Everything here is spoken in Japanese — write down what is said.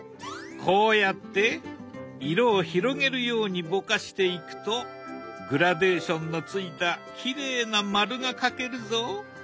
こうやって色を広げるようにぼかしていくとグラデーションのついたきれいな丸が描けるぞ。